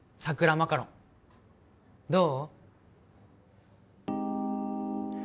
マカロンどう？